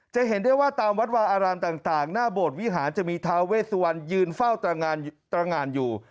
จะเห็นได้ว่าตามวัดวาอารามต่างหน้าโบสถวิหารจะมีทาเวสวันยืนเฝ้าตรงานอยู่